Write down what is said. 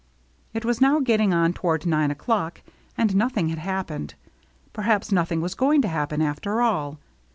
It was now getting on toward nine o'clock, and nothing had happened. Per haps nothing was going to happen, after all.